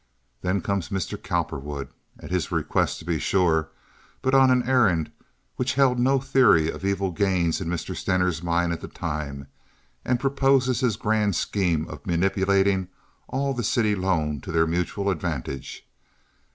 Then comes Mr. Cowperwood—at his request, to be sure, but on an errand which held no theory of evil gains in Mr. Stener's mind at the time—and proposes his grand scheme of manipulating all the city loan to their mutual advantage.